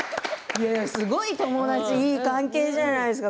すごい友達いい関係じゃないですか。